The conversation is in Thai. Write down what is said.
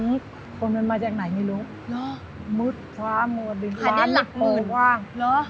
อืมคนมันมาจากไหนไม่รู้มึดคว้ามวดดินคว้ามึดโปว่าง